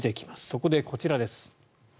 そこでこちらです。